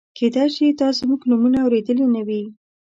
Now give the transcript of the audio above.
کېدای شي تا زموږ نومونه اورېدلي نه وي.